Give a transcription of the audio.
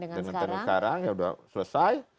dengan sekarang ya sudah selesai